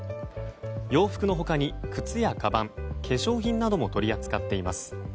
洋服の他に靴やかばん化粧品なども取り扱っています。